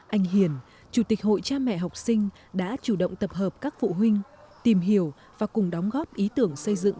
anh hiền chủ tịch hội cha mẹ học sinh đã chủ động tập hợp các phụ huynh tìm hiểu và cùng đóng góp ý tưởng xây dựng